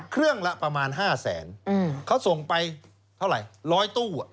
ละประมาณ๕แสนเขาส่งไปเท่าไหร่๑๐๐ตู้